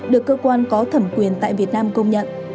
được cơ quan có thẩm quyền tại việt nam công nhận